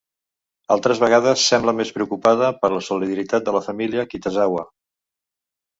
Altres vegades sembla més preocupada per la solidaritat de la família Kitazawa.